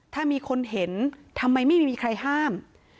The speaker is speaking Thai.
ถ้ามีคนเห็นทำไมไม่มีใครห้าม